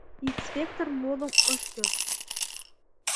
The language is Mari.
Инспектор молым ыш йод.